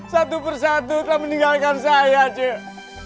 satu persatu telah meninggalkan saya cip